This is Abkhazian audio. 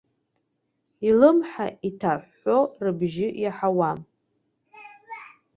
Илымҳа иҭаҳәҳәо рыбжьы иаҳауам.